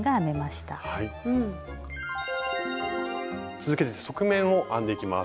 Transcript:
続けて側面を編んでいきます。